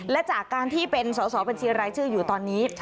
และจากการที่เป็นสอสอบัญชีรายชื่ออยู่ตอนนี้